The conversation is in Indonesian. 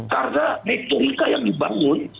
karena metrika yang dibangun